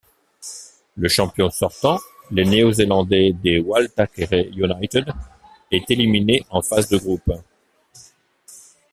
Le champion sortant, les Néo-Zélandais de Waitakere United, est éliminé en phase de groupes.